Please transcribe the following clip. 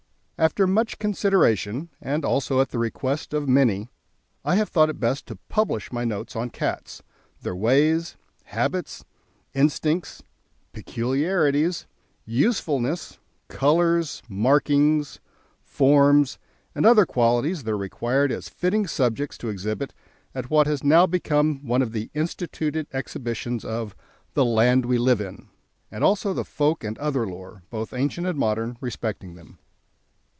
After much consideration, and also at the request of many, I have thought it best to publish my notes on cats, their ways, habits, instincts, peculiarities, usefulness, colours, markings, forms, and other qualities that are required as fitting subjects to exhibit at what is now one of the instituted exhibitions of "The land we live in," and also the Folk and other lore, both ancient and modern, respecting them.